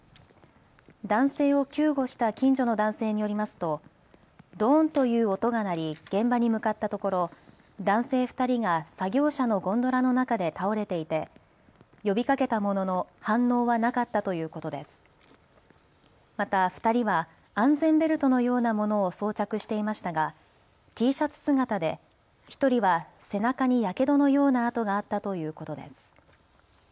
男性を救護した近所の男性によりますとドーンという音が鳴り現場に向かったところ男性２人が作業車のゴンドラの中で倒れていて呼びかけたものの反応はなかったということでまた２人は安全ベルトのようなものを装着していましたがＴシャツ姿で１人は背中にやけどのような痕があったということです。